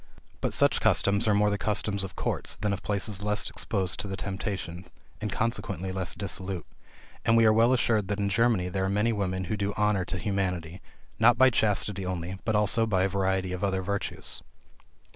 But such customs are more the customs of courts, than of places less exposed to temptation, and consequently less dissolute; and we are well assured that in Germany there are many women who do honor to humanity, not by chastity only, but also by a variety of other virtues.